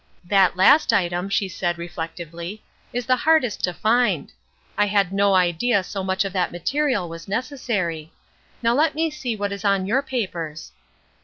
"That last item," she said, reflectively, "is the hardest to find. I had no idea so much of that material was necessary. Now let me see what is on your papers."